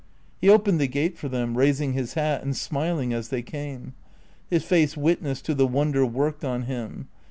He opened the gate for them, raising his hat and smiling as they came. His face witnessed to the wonder worked on him.